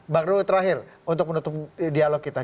baru terakhir untuk menutup dialog kita